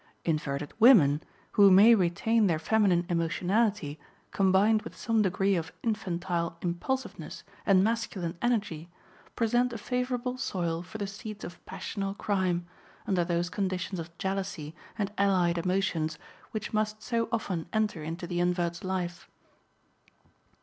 Inverted women, who may retain their feminine emotionality combined with some degree of infantile impulsiveness and masculine energy, present a favorable soil for the seeds of passional crime, under those conditions of jealousy and allied emotions which must so often enter into the invert's life.